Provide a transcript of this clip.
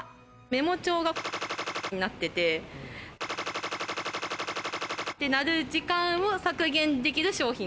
メモ帳がになってて、ってなる時間を削減できる商品。